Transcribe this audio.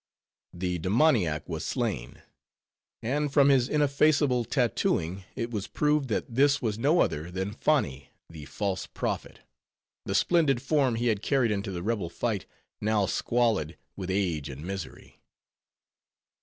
The demoniac was slain; and from his ineffaceable tatooing, it was proved that this was no other than Foni, the false prophet; the splendid form he had carried into the rebel fight, now squalid with age and misery.